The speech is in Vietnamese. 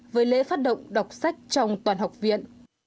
với lễ phát động đọc sách trong toàn học viện